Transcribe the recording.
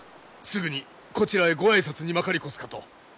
すぐにこちらへご挨拶にまかり越すかと。